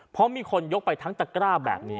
เพราะมีคนยกไปทั้งตะกร้าแบบนี้